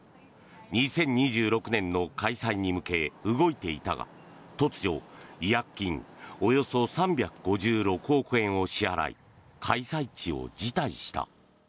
２０２６年の開催に向け動いていたが突如違約金およそ３５６億円を支払い開催地を辞退した。